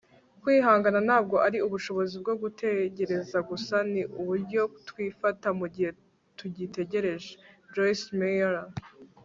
kwihangana ntabwo ari ubushobozi bwo gutegereza gusa - ni uburyo twifata mugihe tugitegereje. - joyce meyer